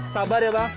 sabar ya bang